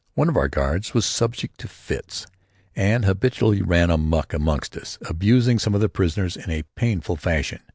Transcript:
] One of our guards was subject to fits and habitually ran amuck amongst us, abusing some of the prisoners in a painful fashion.